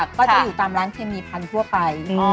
ก็จะอยู่ตามร้านเคมีพันธุ์ทั่วไป